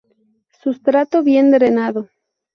Sustrato bien drenado.